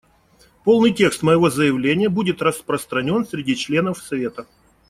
Полный текст моего заявления будет распространен среди членов Совета.